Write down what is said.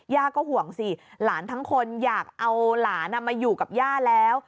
ก็ห่วงสิหลานทั้งคนอยากเอาหลานมาอยู่กับย่าแล้ว